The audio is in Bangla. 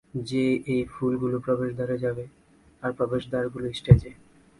যে এই ফুলগুলো প্রবেশদ্বারে যাবে, আর প্রবেশদ্বারেরগুলো স্টেজে?